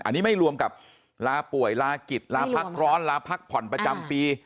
อันนี้ไม่รวมกับลาป่วยลากิจลาพักร้อนลาพักผ่อนประจำปี